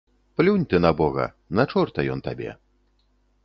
Плюнь ты на бога, на чорта ён табе.